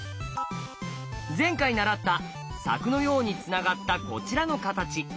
前回習った柵のようにつながったこちらの形。